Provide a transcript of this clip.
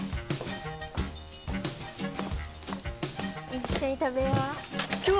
一緒に食べよう。